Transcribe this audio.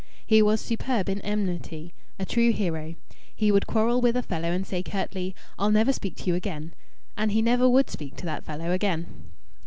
He was superb in enmity a true hero. He would quarrel with a fellow and say, curtly, "I'll never speak to you again"; and he never would speak to that fellow again.